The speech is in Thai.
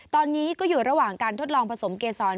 ตอนนี้ก็อยู่ระหว่างการทดลองผสมเกษร